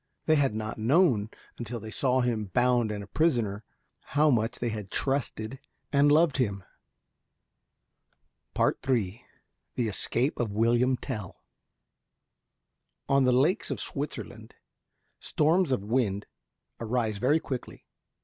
They had not known, until they saw him bound and a prisoner, how much they had trusted and loved him. III THE ESCAPE OF WILLIAM TELL On the lakes of Switzerland storms of wind arise very quickly.